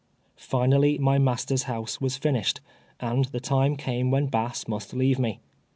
Finally my master's house was finished, and the time came when Bass must leave me.